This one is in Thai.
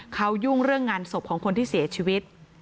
เขายุ่งเรื่องงานศพของคนที่เสียชีวิต